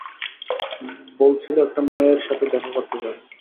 বলছিল, একটা মেয়ের সাথে দেখা করতে যাবে।